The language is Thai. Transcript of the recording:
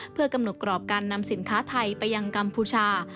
เพื่อกำหนดกรอบการนำสินค้าไทยไปยังกัมพูชา